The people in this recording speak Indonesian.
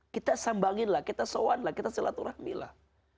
kita sambangin lah kita soan lah kita silaturahmi lah